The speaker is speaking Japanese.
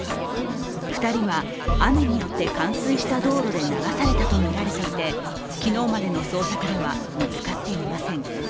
２人は、雨によって冠水した道路で流されたとみられていて、昨日までの捜索では見つかっていません。